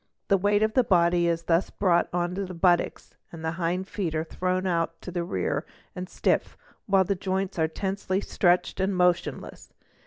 The weight of the body is thus brought on to the buttocks, the hind feet are thrown out to the rear and stiff, while the joints are tensely stretched and motionless.